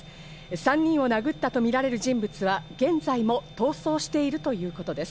３人を殴ったとみられる人物は現在も逃走しているということです。